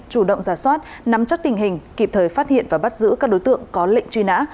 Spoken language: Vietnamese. chủ động giả soát nắm chắc tình hình kịp thời phát hiện và bắt giữ các đối tượng có lệnh truy nã